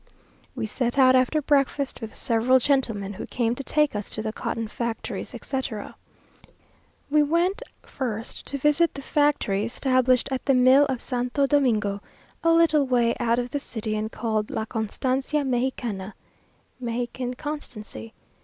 We set out after breakfast with several gentlemen, who came to take us to the cotton factories, etc. We went first to visit the factory established at the mill of Santo Domingo, a little way out of the city, and called "La Constancia Mejicana" (Mexican Constancy).